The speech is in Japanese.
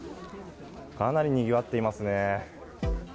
かなりにぎわっていますね。